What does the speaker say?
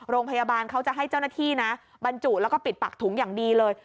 โรงพยาบาลเขาจะให้เจ้าหน้าที่นะบรรจุแล้วก็ปิดปากถุงอย่างดีเลย